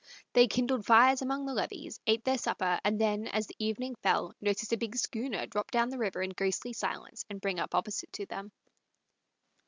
They kindled fires along the levees, ate their supper, and then, as the evening fell, noticed a big schooner drop down the river in ghostly silence and bring up opposite to them.